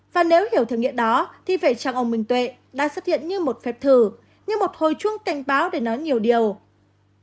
và nếu hiểu thường nghĩa đó thì về chàng ông bình tuệ đã xuất hiện như một phép thử như một hồi chuông canh báo để nói nhiều điều